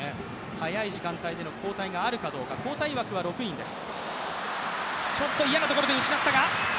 早い時間帯での交代があるのか、交代枠は６人です。